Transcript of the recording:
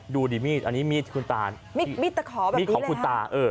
ดูดิมีดอันนี้มีดอะตเธอว่ะมีดตะข่อมาของคุณตา